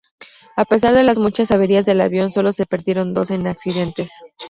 A pesar de las muchas averías del avión, sólo se perdieron dos en accidentes.